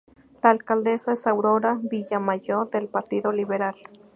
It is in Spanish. La alcaldesa es Aurora Villamayor del Partido Liberal.